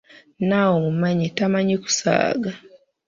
Naawe omumanyi tamanyi kusaaga!